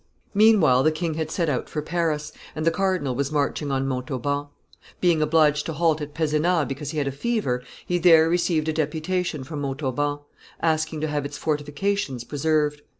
Meanwhile the king had set out for Paris, and the cardinal was marching on Montauban. Being obliged to halt at Pezenas because he had a fever, he there received a deputation from Montauban, asking to have its fortifications preserved.